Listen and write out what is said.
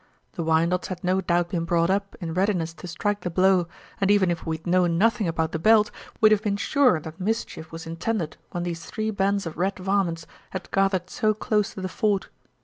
The Wyandots had no doubt been brought up in readiness to strike the blow, and even if we'd known nothing about the belt we'd have been, sure that mischief was intended when these three bands of red varmints had gathered so close to the fort.